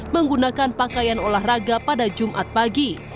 menggunakan pakaian olahraga pada jumat pagi